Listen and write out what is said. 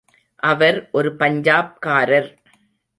அவர் ஒரு பஞ்சாப்காரர்.